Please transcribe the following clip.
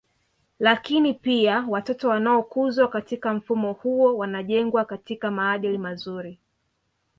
Lakini pia watoto wanaokuzwa katika mfumo huo wanajengwa katika maadili mazuri